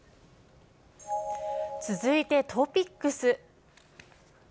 続いてトピックス。